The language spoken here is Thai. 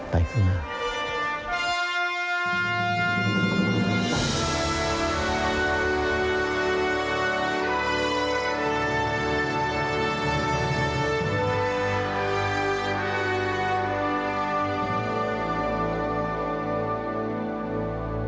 ไปข้างหน้า